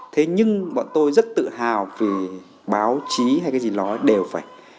thế nhưng bọn tôi rất tự hào vì báo chí hay cái gì nói đều phải